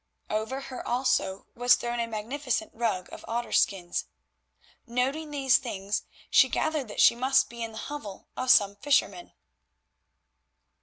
Over her also was thrown a magnificent rug of otter skins. Noting these things, she gathered that she must be in the hovel of some fisherman.